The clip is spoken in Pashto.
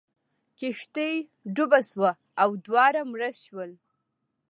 کښتۍ ډوبه شوه او دواړه مړه شول.